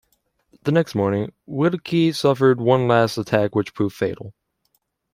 The next morning, Willkie suffered one last attack which proved fatal.